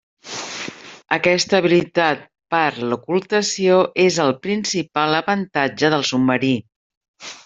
Aquesta habilitat per a l'ocultació és el principal avantatge del submarí.